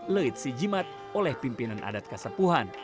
leit sijimat oleh pimpinan adat kesepuan